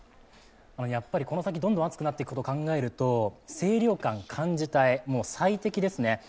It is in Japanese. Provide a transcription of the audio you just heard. やっぱり、この先どんどん暑くなっていくことを考えると、清涼感、感じたい、最適ですね。